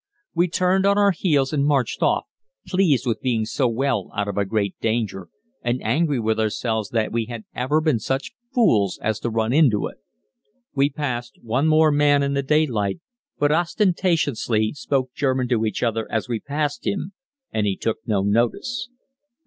We turned on our heels and marched off, pleased with being so well out of a great danger, and angry with ourselves that we had ever been such fools as to run into it. We passed one more man in the daylight, but ostentatiously spoke German to each other as we passed him, and he took no notice.